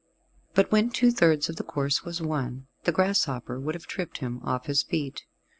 But when two thirds of the course was won, the grasshopper would have tripped him off his feet.